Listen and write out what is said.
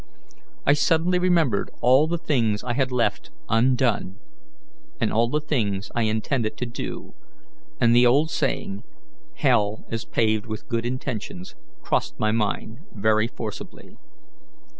I suddenly remembered all the things I had left undone and all the things I intended to do, and the old saying, 'Hell is paved with good intentions,' crossed my mind very forcibly.